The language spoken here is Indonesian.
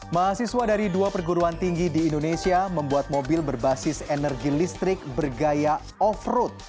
mahasiswa dari dua perguruan tinggi di indonesia membuat mobil berbasis energi listrik bergaya off road